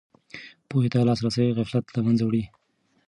پوهې ته لاسرسی غفلت له منځه وړي.